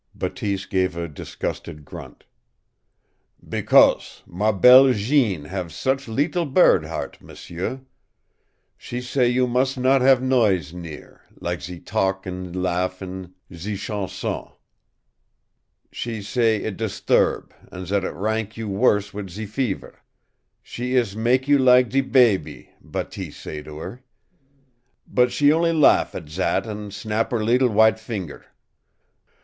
Bateese gave a disgusted grunt. "Becaus' MA BELLE Jeanne have such leetle bird heart, m'sieu. She say you mus' not have noise near, lak ze talk an' laugh an' ZE CHANSONS. She say it disturb, an' zat it mak you worse wit' ze fever. She ees mak you lak de baby, Bateese say to her. But she on'y laugh at zat an' snap her leetle w'ite finger.